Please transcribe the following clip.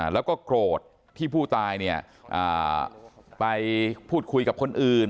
แล้วก็โกรธที่ผู้ตายไปพูดคุยกับคนอื่น